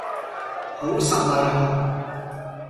好失禮呀?